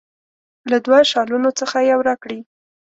له دوه شالونو څخه یو راکړي.